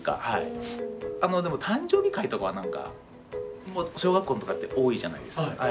でも誕生日会とかはなんか小学校とかって多いじゃないですか。